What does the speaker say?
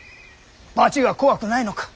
罰が怖くないのか。